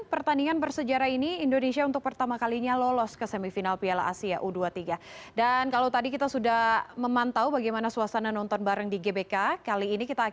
pertandingan timnas indonesia melawan uzbekistan dalam laga semifinal piala afc u dua puluh tiga disambut antusias masyarakat